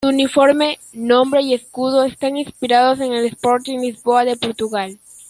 Su uniforme, nombre y escudo están inspirados en el Sporting Lisboa de Portugal.